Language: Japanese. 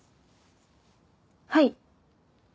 はい。